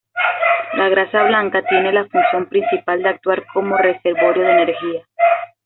La grasa blanca tiene la función principal de actuar como reservorio de energía.